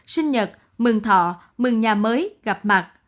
sinh nhật mừng thọ mừng nhà mới gặp mặt